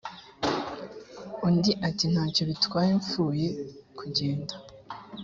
undi ati nta cyo bitwaye mpfuye kugenda